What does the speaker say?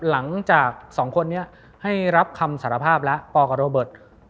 หลังจากสองคนนี้ให้รับคำสารภาพแล้วปกับโรเบิร์ต